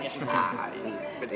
nah ini pedes